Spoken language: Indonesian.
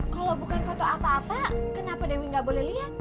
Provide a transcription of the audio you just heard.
kalau bukan foto apa apa kenapa dewi gak boleh lihat